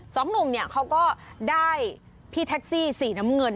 สองหนุ่มเนี่ยเขาก็ได้พี่แท็กซี่สีน้ำเงิน